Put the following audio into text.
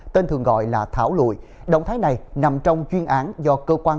tên thường gọi là thảo lụi động thái này nằm trong chuyên án do cơ quan